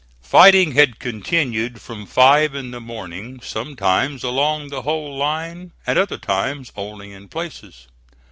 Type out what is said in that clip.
Fighting had continued from five in the morning sometimes along the whole line, at other times only in places.